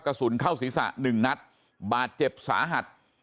กระสุนเข้าศีรษะ๑นัทบาทเจ็บสาหัส